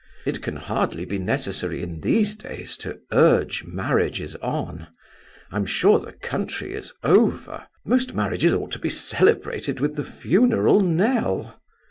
It can hardly be necessary in these days to urge marriages on. I'm sure the country is over ... Most marriages ought to be celebrated with the funeral knell!"